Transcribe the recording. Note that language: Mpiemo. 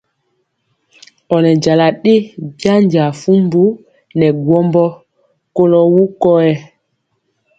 Ɔ nɛ jala byanja fumbu nɛ gwɔmbɔ kolɔ wuŋ kɔyɛ.